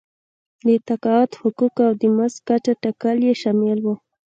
د تقاعد حقوق او د مزد کچه ټاکل یې شامل وو.